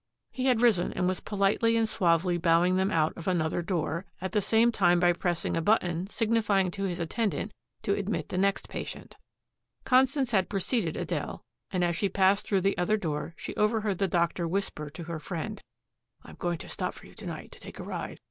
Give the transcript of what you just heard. He had risen and was politely and suavely bowing them out of another door, at the same time by pressing a button signifying to his attendant to admit the next patient. Constance had preceded Adele, and, as she passed through the other door, she overheard the doctor whisper to her friend, "I'm going to stop for you to night to take a ride.